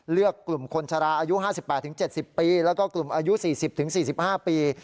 กลุ่มคนชะลาอายุ๕๘๗๐ปีแล้วก็กลุ่มอายุ๔๐๔๕ปี